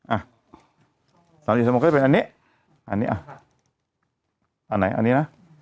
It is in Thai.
อ่ะ๓๑สมมติก็จะเป็นอันนี้อันไหนอันนี้นะ